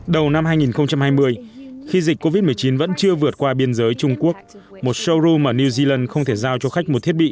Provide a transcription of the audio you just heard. đầu năm hai nghìn hai mươi khi dịch covid một mươi chín vẫn chưa vượt qua biên giới trung quốc một showroom ở new zealand không thể giao cho khách một thiết bị